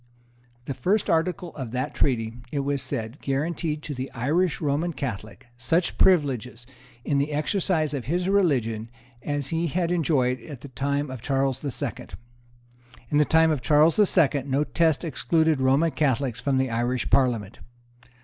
The First article of that Treaty, it was said, guaranteed to the Irish Roman Catholic such privileges in the exercise of his religion as he had enjoyed in the time of Charles the Second. In the time of Charles the Second no test excluded Roman Catholics from the Irish Parliament.